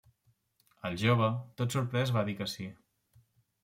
El jove, tot sorprès va dir que sí.